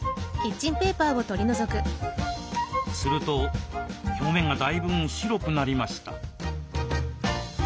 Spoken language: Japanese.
すると表面がだいぶん白くなりました。